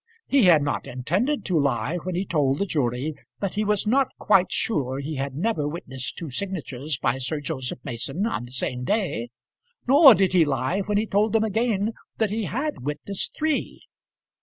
He had not intended to lie when he told the jury that he was not quite sure he had never witnessed two signatures by Sir Joseph Mason on the same day, nor did he lie when he told them again that he had witnessed three.